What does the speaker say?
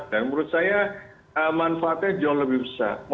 dan menurut saya manfaatnya jauh lebih besar